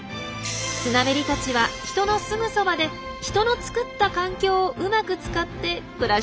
スナメリたちは人のすぐそばで人の作った環境をうまく使って暮らしているんですよ。